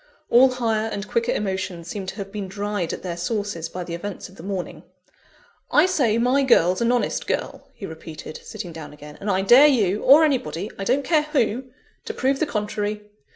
All higher and quicker emotions seemed to have been dried at their sources by the events of the morning. "I say my girl's an honest girl," he repeated, sitting down again; "and I dare you, or anybody I don't care who to prove the contrary.